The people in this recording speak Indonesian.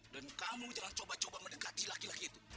dan kamu jangan coba coba mendekati laki laki itu